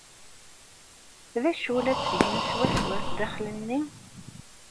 D acu la ttgen swaswa sdaxel-nni?